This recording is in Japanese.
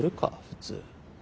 普通。